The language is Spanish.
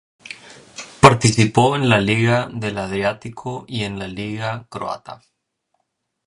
Participó en la Liga del Adriático y en la Liga croata.